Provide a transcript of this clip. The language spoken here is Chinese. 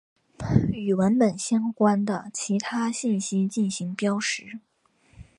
与文本相关的其他信息进行标识。